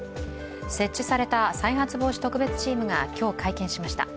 設置された再発防止特別チームが今日、会見しました。